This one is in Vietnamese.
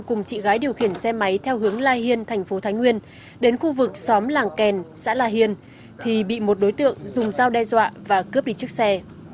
cùng chị gái điều khiển xe máy theo hướng lai hiên thành phố thái nguyên đến khu vực xóm làng kèn xã la hiên thì bị một đối tượng dùng dao đe dọa và cướp đi chiếc xe